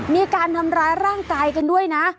มีการทำร้ายร่างกายกันด้วยนะ